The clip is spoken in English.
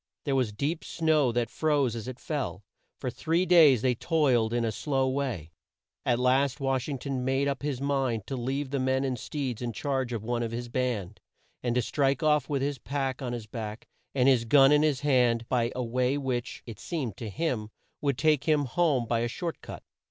There was deep snow that froze as it fell. For three days they toiled on in a slow way. At last Wash ing ton made up his mind to leave the men and steeds in charge of one of his band, and to strike off with his pack on his back and his gun in his hand by a way which, it seemed to him, would take him home by a short cut.